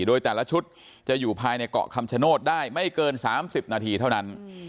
โดยแต่ละชุดจะอยู่ภายในเกาะคำชโนธได้ไม่เกิน๓๐นาทีเท่านั้น